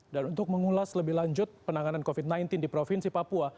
dan untuk mengulas lebih lanjut penanganan covid sembilan belas di provinsi papua